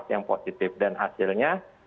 yang positif dan hasilnya